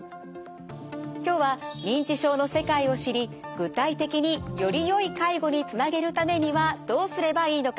今日は認知症の世界を知り具体的によりよい介護につなげるためにはどうすればいいのか。